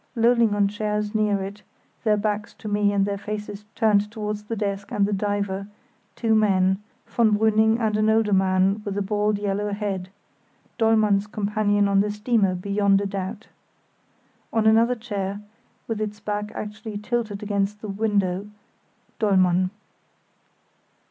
Lolling on chairs near it, their backs to me and their faces turned towards the desk and the diver, two men—von Brüning and an older man with a bald yellow head (Dollmann's companion on the steamer, beyond a doubt). On another chair, with its back actually tilted against the window, Dollmann.